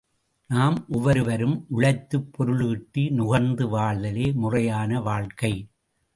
நாம் ஒவ்வொருவரும் உழைத்துப் பொருளீட்டி நுகர்ந்து வாழ்தலே முறையான வாழ்க்கை.